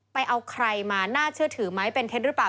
ไปเอาใครมาน่าเชื่อถือไหมเป็นเท็จหรือเปล่า